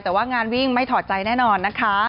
แต่ว่างานวิ่งไม่ถอดใจแน่นอนนะคะ